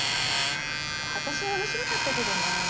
私は面白かったけどなあ。